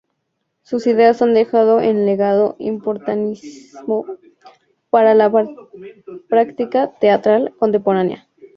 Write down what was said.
Sus ideas han dejado un legado importantísimo para la práctica teatral contemporánea.